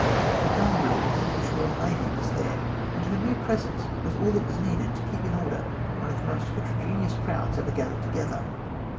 A gun brig of the English Koyal Navy was there, and her mere presence was all that was needed to keep in order one of the most heterogeneous crowds ever gathered together.